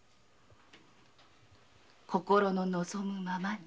「心の望むままに」